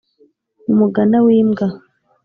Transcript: umugana w’imbwa